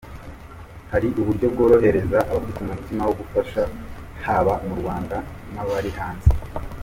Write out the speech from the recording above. Hari uburyo bworohereza abafite umutima wo gufasha haba mu Rwanda n’abari hanze.